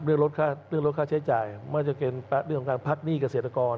เรื่องลดค่าใช้จ่ายไม่ว่าจะเป็นเรื่องของการพักหนี้เกษตรกร